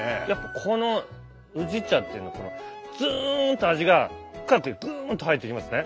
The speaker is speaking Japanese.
この宇治茶っていうのずんと味が深くぐんと入っていきますね。